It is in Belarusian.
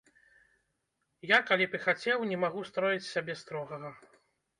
Я, калі б і хацеў, не магу строіць з сябе строгага.